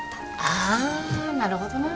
あなるほどな。